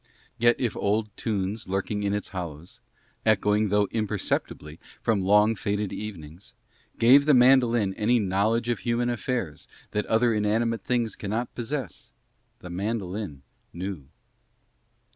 Yet if old tunes lurking in its hollows, echoing though imperceptibly from long faded evenings, gave the mandolin any knowledge of human affairs that other inanimate things cannot possess, the mandolin knew.